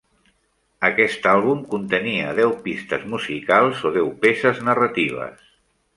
Aquest àlbum contenia deu pistes musicals o deu peces narratives.